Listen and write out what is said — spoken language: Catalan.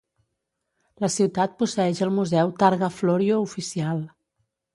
La ciutat posseeix el Museu Targa Florio oficial.